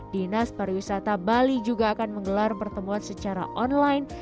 dinas pariwisata bali juga akan menggelar pertemuan secara online